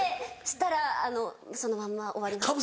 したらそのまんま終わりました。